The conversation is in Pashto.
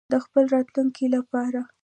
د خپل راتلونکي لپاره.